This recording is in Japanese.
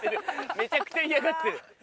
めちゃくちゃ嫌がってる！